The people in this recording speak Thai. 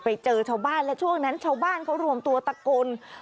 ไปเจอชาวบ้านและช่วงนั้นชาวบ้านเขารวมตัวตะโกน